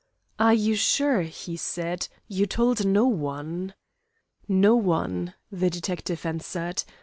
"You are sure," he said, "you told no one?" "No one," the detective answered.